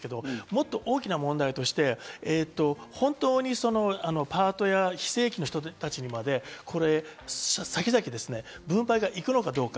大きな問題として本当にパートや非正規の人たちにまで先々、分配がいくのかどうか。